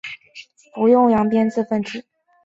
检察机关的自觉就体现在‘不用扬鞭自奋蹄’